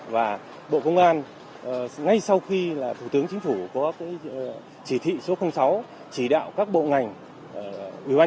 và bộ công an ngay sau khi thủ tướng chính phủ có chỉ thị số sáu chỉ đạo các bộ ngành